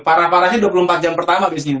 parah parahnya dua puluh empat jam pertama biasanya